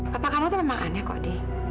papa kamu tuh memang aneh kok di